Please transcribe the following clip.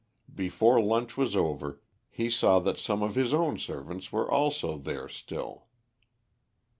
Before lunch was over he saw that some of his own servants were also there still.